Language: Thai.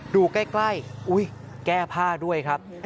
ดูใกล้แก้ผ้าด้วยครับ